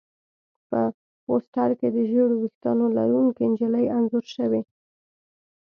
په پوسټر کې د ژېړو ویښتانو لرونکې نجلۍ انځور شوی و